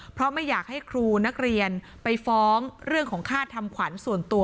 เพราะไม่อยากให้ครูนักเรียนไปฟ้องเรื่องของค่าทำขวัญส่วนตัว